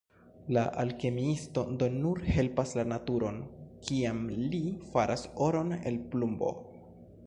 La alkemiisto do nur helpas la naturon, kiam li faras oron el plumbo.